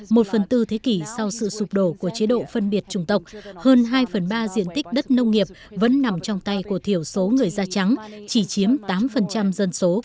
một phần tư thế kỷ sau sự sụp đổ của chế độ phân biệt chủng tộc hơn hai phần ba diện tích đất nông nghiệp vẫn nằm trong tay của thiểu số người da trắng chỉ chiếm tám dân số